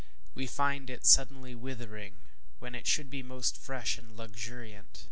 We find it suddenly withering, when it should be most fresh and luxuriant.